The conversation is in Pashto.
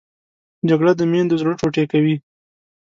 جګړه د میندو زړه ټوټې کوي